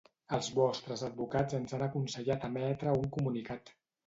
Els vostres advocats ens han aconsellat emetre un comunicat.